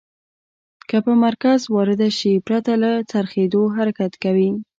که په مرکز وارده شي پرته له څرخیدو حرکت کوي.